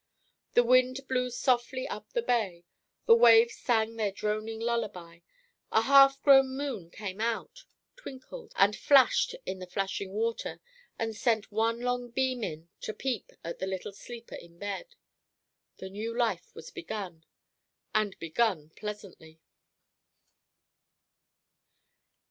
The wind blew softly up the bay, the waves sang their droning lullaby, a half grown moon came out, twinkled, and flashed in the flashing water, and sent one long beam in to peep at the little sleeper in bed. The new life was begun, and begun pleasantly.